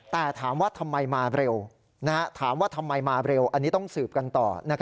แต่ถามว่าทำไมมาเร็วอันนี้ต้องสืบกันต่อ